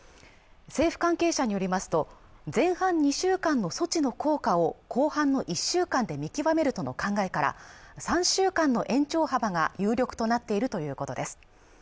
政府関係者によりますと前半２週間の措置の効果を後半の１週間で見極めるとの考えから３週間の延長幅が有力となっているということです